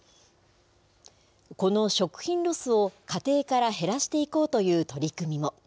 この食品ロスを家庭から減らしていこうという取り組みも。